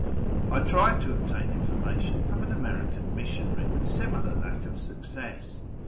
I tried to obtain information from an American missionary, with similar lack of success.